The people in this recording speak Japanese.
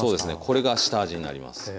これが下味になります。